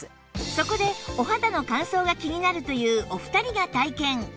そこでお肌の乾燥が気になるというお二人が体験